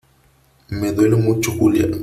me duele mucho , Julia ,